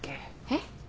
えっ？